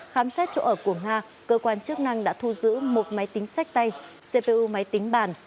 khám xét chỗ ở của nga cơ quan chức năng đã thu giữ một máy tính sách tay cpu máy tính bàn